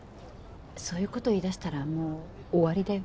そういうこと言い出したらもう終わりだよ。